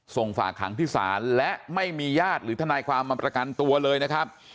ส่งฝากขังที่ศาลและไม่มีญาติหรือทนายความมาประกันตัวเลยนะครับ